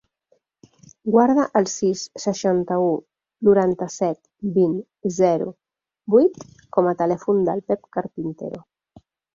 Guarda el sis, seixanta-u, noranta-set, vint, zero, vuit com a telèfon del Pep Carpintero.